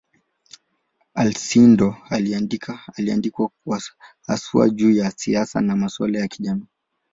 Alcindor anaandikwa haswa juu ya siasa na masuala ya kijamii.